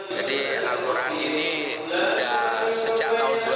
jadi al quran ini sudah sejak tahun dua ribu sebelas